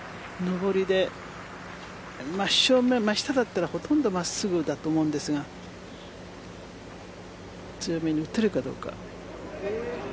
上りで真下だったらほとんど真っすぐだと思うんですが強めに打てるかどうか。